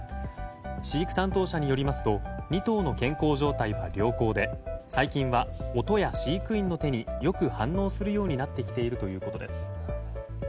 飼育担当者によりますと２頭の健康状態は良好で最近は音や飼育員の手によく反応するようになってきているということです。